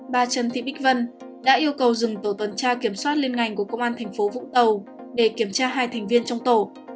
bà trần thị bích vân đã yêu cầu dừng tổ tuần tra kiểm soát liên ngành của công an thành phố vũng tàu để kiểm tra hai thành viên trong tổ